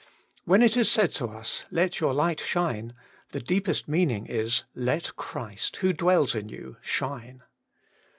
When it is said to us, Let your light shine, the deepest meaning is, let Christ, who dwells in you, shine.